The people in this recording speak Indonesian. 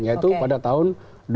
yaitu pada tahun dua ribu enam belas